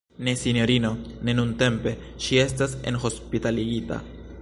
Ne sinjorino, ne nuntempe, ŝi estas enhospitaligita.